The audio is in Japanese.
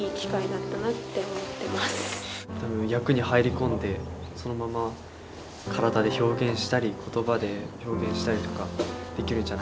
多分役に入り込んでそのまま体で表現したり言葉で表現したりとかできるんじゃないかなって思います。